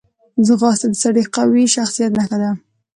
ځغاسته د سړي قوي شخصیت نښه ده